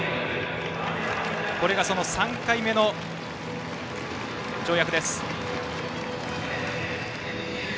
これが３回目の跳躍です。